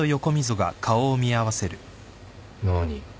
何？